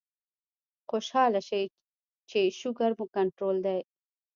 خوشاله شئ چې شوګر مو کنټرول دے